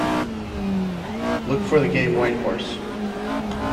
Look for the game Whitehorse